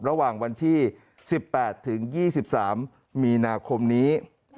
ระหว่างวันที่๑๘ถึง๒๓มีนาคมนี้